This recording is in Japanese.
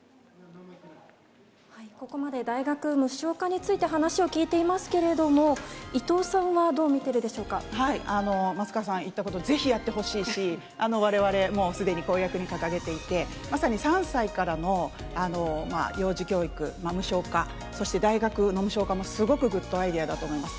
ここまで大学無償化について話を聞いていますけれども、伊藤さんは、松川さん言ったこと、ぜひやってほしいし、われわれもうすでに公約に掲げていて、まさに３歳からの幼児教育無償化、そして大学無償化もすごくグッドアイデアだと思います。